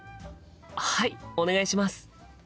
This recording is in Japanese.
はいお願いします！